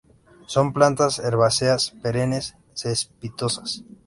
Son plantas herbáceas perennes; cespitosas.